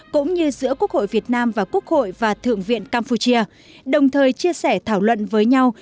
cũng như giữa quốc hội việt nam và quốc hội và thượng viện campuchia đồng thời chia sẻ thảo luận với nhau